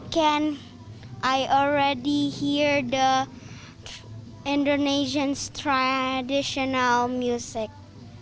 dan saya sudah mendengar musik tradisional indonesia